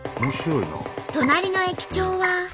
隣の駅長は。